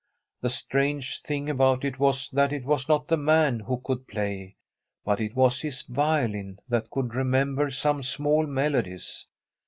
The strange thing about it was that it was not the man who could play, but it was his violin that could remember some small melodies.